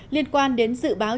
liên quan đến dự báo